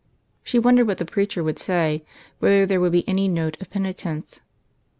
She wondered what the preacher would say, whether there would be any note of penitence.